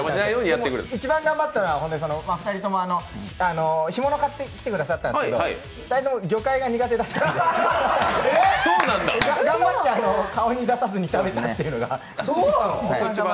一番頑張ったのは、２人とも干物買ってきてくださったんですけど２人とも魚介が苦手だったんで頑張って顔に出さずに食べたというのが。